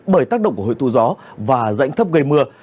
bởi tác động của hội tu gió và dạnh thấp gây mưa